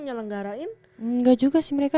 nyelenggarain enggak juga sih mereka